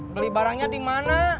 beli barangnya dimana